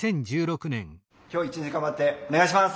今日一日頑張ってお願いします。